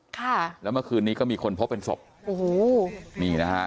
ค่ะแล้วเมื่อคืนนี้ก็มีคนพบเป็นศพโอ้โหนี่นะฮะ